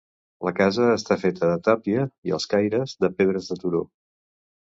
La casa és feta de tàpia i els caires de pedres de turó.